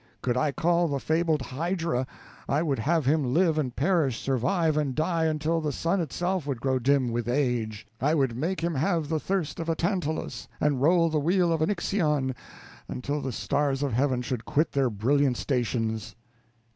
Could I call the fabled Hydra, I would have him live and perish, survive and die, until the sun itself would grow dim with age. I would make him have the thirst of a Tantalus, and roll the wheel of an Ixion, until the stars of heaven should quit their brilliant stations.